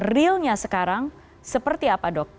realnya sekarang seperti apa dok